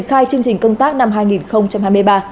khai chương trình công tác năm hai nghìn hai mươi ba